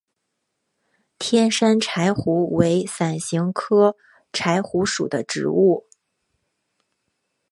天山柴胡为伞形科柴胡属的植物。